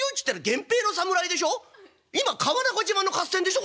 今川中島の合戦でしょ？